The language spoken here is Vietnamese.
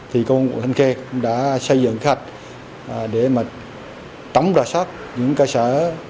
thì công an quận thanh khê đã xây dựng kế hoạch để tổng ra soát những cơ sở